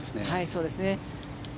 そうですね。